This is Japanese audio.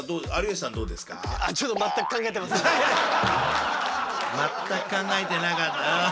まったく考えてなかった。